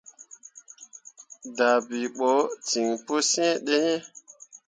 Dah bii ɓo ten pu siŋ di iŋ.